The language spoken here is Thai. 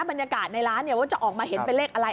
บรรยากาศในร้านว่าจะออกมาเห็นเป็นเลขอะไร